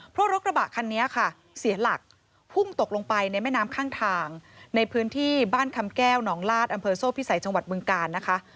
เพราะรถกระบะคันนี้ค่ะเสียหลักพุ่งตกลงไปในแม่น้ำข้างทางในพื้นที่บ้านคำแก้วหนองลาดอำเภอโซ่พิสัยจังหวัดบึงกาลนะคะ